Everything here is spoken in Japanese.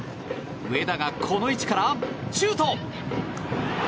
上田がこの位置からシュート。